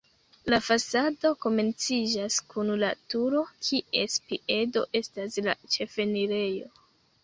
La fasado komenciĝas kun la turo, kies piedo estas la ĉefenirejo.